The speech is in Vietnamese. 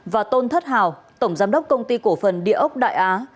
và tôn thất hào tổng giám đốc công ty cổ phần địa ốc đại á